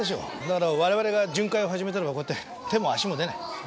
だから我々が巡回を始めたらこうやって手も足も出ない。